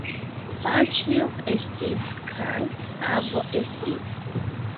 Paĉjo estis kaj avo estis.